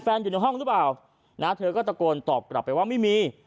อยู่ในห้องหรือเปล่านะเธอก็ตะโกนตอบกลับไปว่าไม่มี